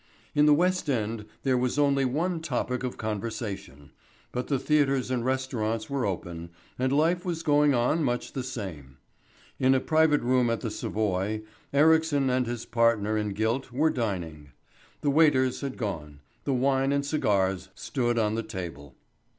In the West End there was only one topic of conversation. But the theatres and restaurants were open, and life was going on much the same. In a private room at the Savoy Ericsson and his partner in guilt were dining. The waiters had gone, the wine and cigars stood on the table.